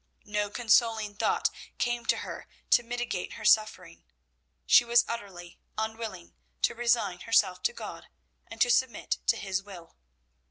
No consoling thought came to her to mitigate her suffering. She was utterly unwilling to resign herself to God and to submit to His will.